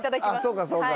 そうかそうか。